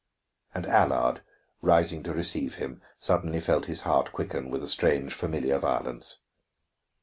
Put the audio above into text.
And Allard, rising to receive him, suddenly felt his heart quicken with a strange, familiar violence.